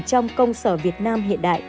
trong công sở việt nam hiện đại